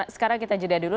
sekarang kita jeda dulu